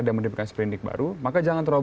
dan mendapatkan sepindik baru maka jangan terlalu